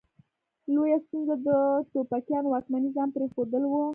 لویه ستونزه د ټوپکیانو واکمني ځان پرې ښودل وه.